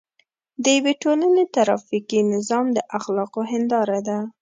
د یوې ټولنې ټرافیکي نظام د اخلاقو هنداره ده.